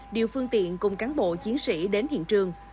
điều phương tiện cùng cán bộ chiến sĩ đến hiện trường